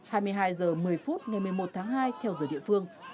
hai mươi hai h một mươi phút ngày một mươi một tháng hai theo giờ địa phương